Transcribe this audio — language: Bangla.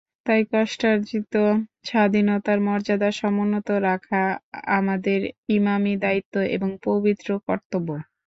তাই কষ্টার্জিত স্বাধীনতার মর্যাদা সমুন্নত রাখা আমাদের ইমানি দায়িত্ব এবং পবিত্র কর্তব্য।